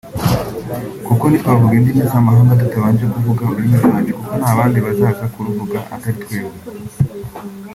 kuko ntitwavuga indimi z’amahanga tutabanje kuvuga ururimi rwacu kuko ntabandi bazaza kuruvuga atari twebwe